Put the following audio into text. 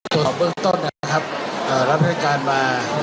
ตอบเบื้องต้นนะครับเอ่อรับพยาบาลการณ์มา